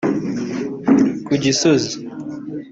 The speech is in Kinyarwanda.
ku Gisozi